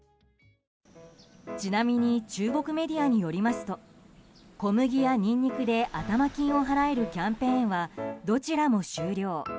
ちなみに中国メディアによりますと小麦やニンニクで頭金を払えるキャンペーンはどちらも終了。